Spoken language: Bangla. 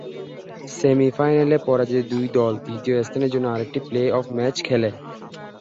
সেমি-ফাইনালে পরাজিত দুই দল তৃতীয় স্থানের জন্য আরেকটি প্লে-অফ ম্যাচ খেলে।